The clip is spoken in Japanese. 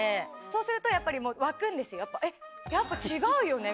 そうするとやっぱり沸くんです。